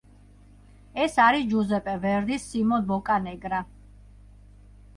ეს არის ჯუზეპე ვერდის „სიმონ ბოკანეგრა“.